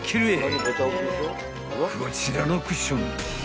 ［こちらのクッション］